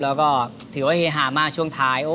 แล้วก็ถือว่าเฮฮามากช่วงท้าย